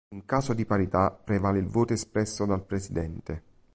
In caso di parità, prevale il voto espresso dal presidente.